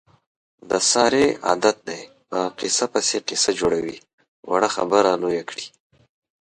د سارې عادت دی، په قیصه پسې قیصه جوړوي. وړه خبره لویه کړي.